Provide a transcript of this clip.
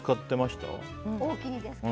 おおきにですか？